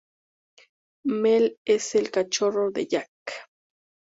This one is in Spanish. Mel es el cachorro de Jack.